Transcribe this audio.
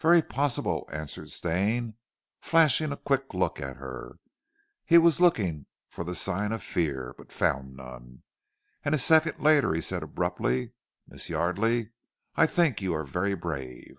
"Very possible," answered Stane, flashing a quick look at her. He was looking for the sign of fear, but found none, and a second later he said abruptly: "Miss Yardely, I think you are very brave."